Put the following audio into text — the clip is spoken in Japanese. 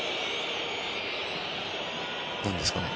何ですかね。